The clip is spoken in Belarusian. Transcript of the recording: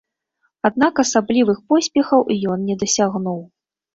Аднак асаблівых поспехаў ён не дасягнуў.